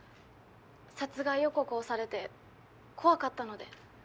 殺害予告をされて怖かったので。